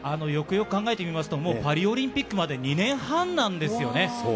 よくよく考えてみますと、もうパリオリンピックまで２年半なんですよね。